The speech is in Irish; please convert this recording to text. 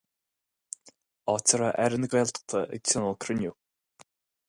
Áit a raibh Aire na Gaeltachta ag tionól cruinniú.